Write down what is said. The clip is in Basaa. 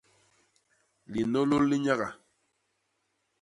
Linôlôl li nyaga.